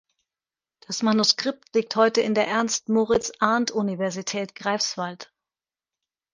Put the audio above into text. Das Manuskript liegt heute in der Ernst-Moritz-Arndt-Universität Greifswald.